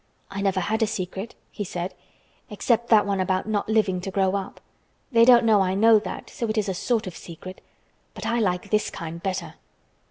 "I never had a secret," he said, "except that one about not living to grow up. They don't know I know that, so it is a sort of secret. But I like this kind better."